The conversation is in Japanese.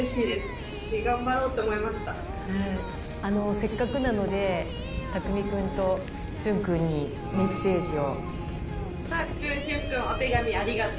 せっかくなので匠君と旬君にメッセージを。